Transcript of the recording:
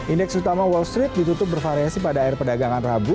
indeks utama wall street ditutup bervariasi pada akhir perdagangan rabu